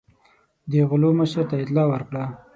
د غلو مشر ته اطلاع ورکړه.